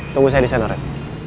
tunggu saya di sana ren